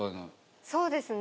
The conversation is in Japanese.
そうですね。